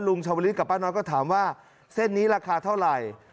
ชาวลิศกับป้าน้อยก็ถามว่าเส้นนี้ราคาเท่าไหร่